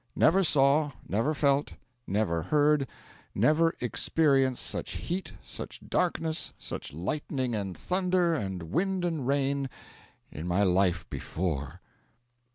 Never saw, never felt, never heard, never experienced such heat, such darkness, such lightning and thunder, and wind and rain, in my life before.